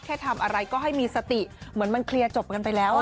ทำอะไรก็ให้มีสติเหมือนมันเคลียร์จบกันไปแล้ว